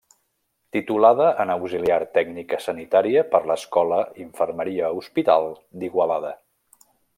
Titulada en auxiliar tècnica sanitària per l'Escola Infermeria Hospital d'Igualada.